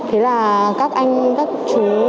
thế là các anh các chú